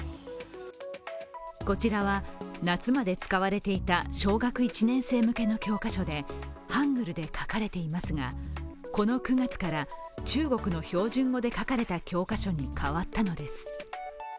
こちらは夏まで使われていた小学１年生向けの教科書でハングルで書かれていますが、この９月から中国の標準語で書かれた教科書に変わったのです。